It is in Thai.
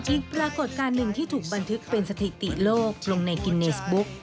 ปรากฏการณ์หนึ่งที่ถูกบันทึกเป็นสถิติโลกลงในกินเนสบุ๊ก